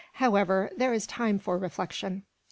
However, there is time for reflection."